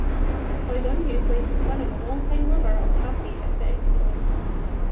Troy Donahue plays the son of a long-time lover of Pappy in the episode.